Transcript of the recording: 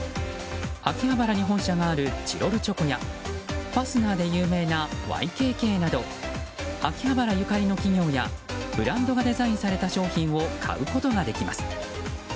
秋葉原に本社があるチロルチョコやファスナーで有名なＹＫＫなど秋葉原ゆかりの企業やブランドがデザインされた商品を買うことができます。